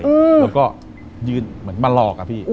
แล้วก็ยืนเหมือนมาหลอกอะพี่